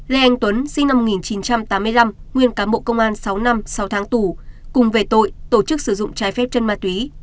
lê anh tuấn sinh năm một nghìn chín trăm tám mươi năm nguyên cán bộ công an sáu năm sáu tháng tù cùng về tội tổ chức sử dụng trái phép chân ma túy